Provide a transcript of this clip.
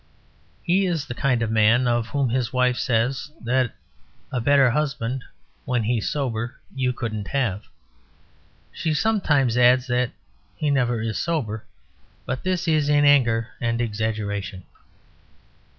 He is the kind of man of whom his wife says that a better husband when he's sober you couldn't have. She sometimes adds that he never is sober; but this is in anger and exaggeration.